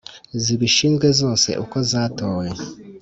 zibishinzwe zose uko zatowe